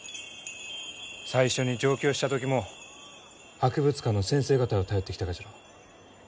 最初に上京した時も博物館の先生方を頼ってきたがじゃろう？